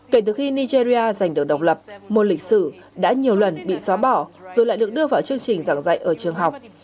kể từ khi nigeria giành được độc lập một lịch sử đã nhiều lần bị xóa bỏ rồi lại được đưa vào chương trình giảng dạy ở trường học